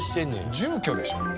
住居でしょ。